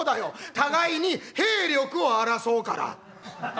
「互いに兵力を争うから」。